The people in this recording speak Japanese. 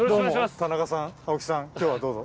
どうも田中さん青木さん今日はどうぞ。